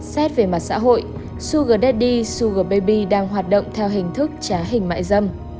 xét về mặt xã hội sugar daddy sugar baby đang hoạt động theo hình thức trá hình mại dâm